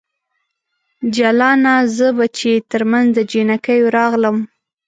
جلانه ! زه به چې ترمنځ د جنکیو راغلم